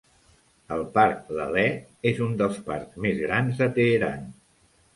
El Parc Laleh és un dels parcs més grans de Teheran.